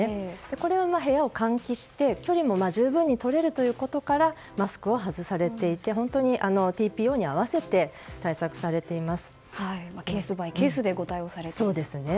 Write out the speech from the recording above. これは部屋を換気して距離を十分にとれることからマスクを外されていて本当にＴＰＯに合わせてケースバイケースでご対応されていると。